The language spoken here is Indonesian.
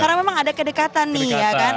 karena memang ada kedekatan nih ya kan